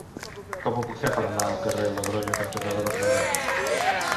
Com ho puc fer per anar al carrer Logronyo cantonada Verneda?